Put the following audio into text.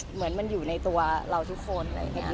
เหมือนมันอยู่ในตัวเราทุกคน